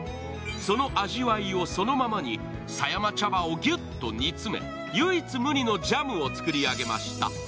その味わいをそのままに狭山茶葉をぎゅっと煮詰め、唯一無二のジャムを作り上げました。